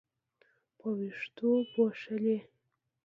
په وېښتو پوښلې